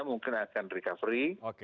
mungkin akan recovery